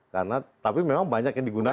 karena tapi memang banyak yang digunakan